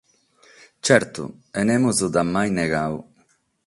Tzertu, e nemos dd’at mai negadu.